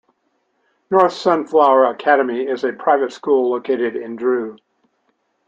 North Sunflower Academy is a private school located in Drew.